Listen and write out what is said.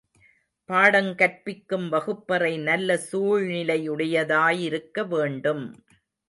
பாடங் கற்பிக்கும் வகுப்பறை நல்ல சூழ்நிலை யுடையதாயிருக்க வேண்டும்.